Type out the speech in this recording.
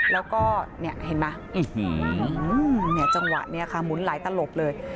แล้วก็เนี่ยเห็นป่ะอื้อหือเนี่ยจังหวะเนี่ยค่ะหมุนไหลตลกเลย